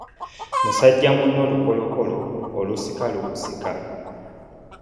Musajja muno lukolokolo olusika lukusika .